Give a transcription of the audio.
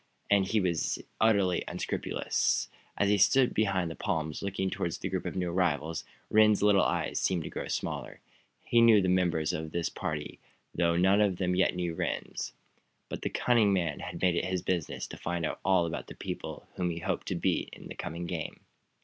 And he was utterly unscrupulous. As he stood behind the palms, looking toward the group of new arrivals, Rhinds's little eyes seemed to grow smaller. He knew the members of this party, though none of them as yet knew Rhinds. But the cunning man had made it his business to find out all about the people whom he hoped to beat in the coming game.